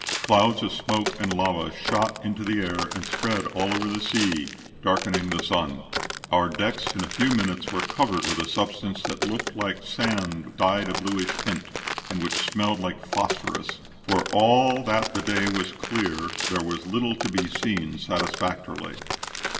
Clouds of smoke and lava shot into the air and spread over all the sea, darkening the sun. Our decks in a few minutes were covered with a substance that looked like sand dyed a bluish tint, and which smelled like phosphorus. For all that the day was clear, there was little to be seen satisfactorily.